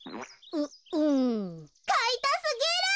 ううん。かいたすぎる！